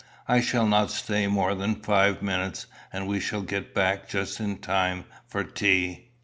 I shall not stay more than five minutes, and we shall get back just in time for tea."